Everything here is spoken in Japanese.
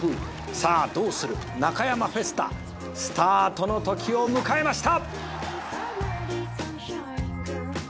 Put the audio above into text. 「さあどうするナカヤマフェスタ」「スタートのときを迎えました」